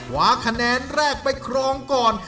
วาคะแนนแรกไปครองก่อน